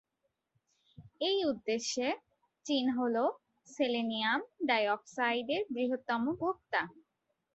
এই উদ্দেশ্যে চীন হলো সেলেনিয়াম ডাই অক্সাইডের বৃহত্তম ভোক্তা।